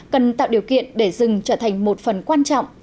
cần tạo điều kiện để rừng trở thành một phần quan trọng